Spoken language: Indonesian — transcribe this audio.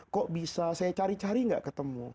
kok bisa saya cari cari nggak ketemu